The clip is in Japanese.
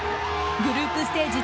グループステージ